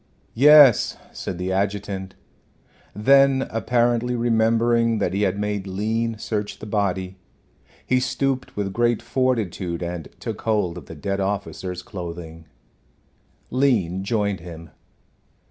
"Yes," said the adjutant. Then apparently remembering that he had made Lean search the body, he stooped with great fortitude and took hold of the dead officer's clothing. Lean joined him.